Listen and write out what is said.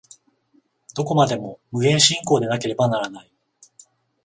どこまでも無限進行でなければならない。